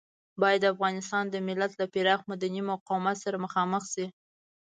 بايد د افغانستان د ملت له پراخ مدني مقاومت سره مخامخ شي.